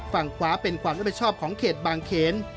ฝั่งขวาเป็นความรับผิดชอบของเขตบางเขน